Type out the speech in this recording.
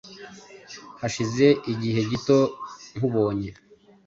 Hashize igihe gito nkubonye,